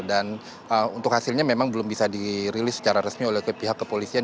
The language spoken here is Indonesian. dan untuk hasilnya memang belum bisa dirilis secara resmi oleh pihak kepolisian